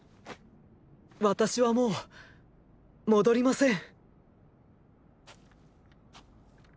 私はもう戻りません。